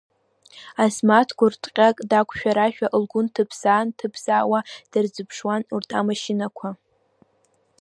Асмаҭ гәыҭҟьарак дақәшәарашәа, лгәы нҭыԥсаа-нҭыԥсаауа дырзыԥшуан урҭ амашьынақәа.